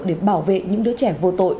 để bảo vệ những đứa trẻ vô tội